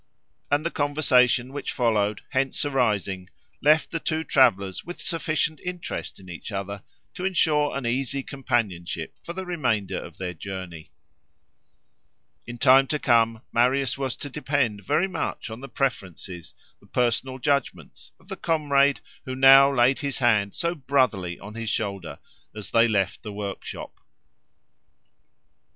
And the conversation which followed, hence arising, left the two travellers with sufficient interest in each other to insure an easy companionship for the remainder of their journey. In time to come, Marius was to depend very much on the preferences, the personal judgments, of the comrade who now laid his hand so brotherly on his shoulder, as they left the workshop.